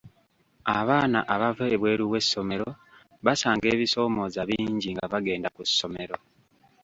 Abaana abava ebweru w'essomero basanga ebisoomooza bingi nga bagenda ku ssomero.